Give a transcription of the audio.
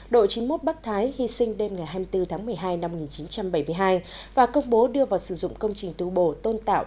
đội chín mươi một bắc thái hy sinh đêm ngày hai mươi bốn tháng một mươi hai năm một nghìn chín trăm bảy mươi hai và công bố đưa vào sử dụng công trình tu bổ tôn tạo